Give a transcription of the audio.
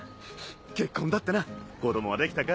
結婚だってな子供はできたか？